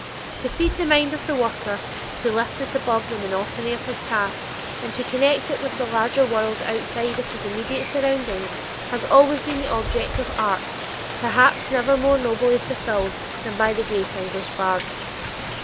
To feed the mind of the worker, to lift it above the monotony of his task, and to connect it with the larger world, outside of his immediate surroundings, has always been the object of art, perhaps never more nobly fulfilled than by the great English bard.